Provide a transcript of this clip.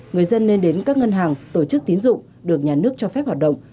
người dân nên đến các ngân hàng tổ chức tín dụng được nhà nước cho phép hoạt động